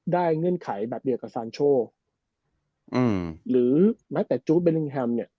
ได้เงื่อนไขแบบเดียวกับอืมหรือแม้แต่เนี่ย